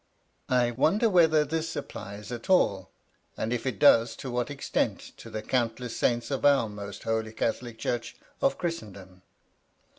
_" wonder whether this applies at all, and if it does, to what extent, to the countless saints of our Most Holy Catholic Church of Christendom.